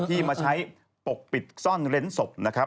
ที่มาใช้ปกปิดซ่อนเล้นศพนะครับ